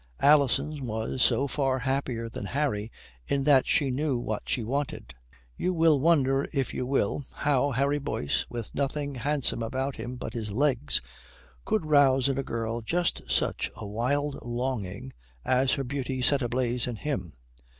Alison was so far happier than Harry in that she knew what she wanted. You may wonder if you will how Harry Boyce, with nothing handsome about him but his legs, could rouse in the girl just such a wild longing as her beauty set ablaze in him.